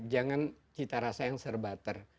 jangan cita rasa yang serbater